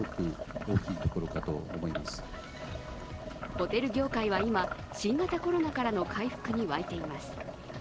ホテル業界は今、新型コロナからの回復にわいています。